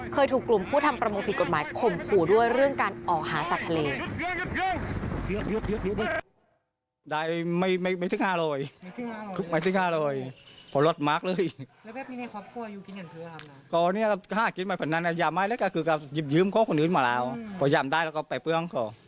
ถูกกลุ่มผู้ทำประมงผิดกฎหมายข่มขู่ด้วยเรื่องการออกหาสัตว์ทะเล